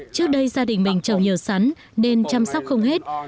trước đây gia đình mình trồng nhiều sắn nên chăm sóc không hết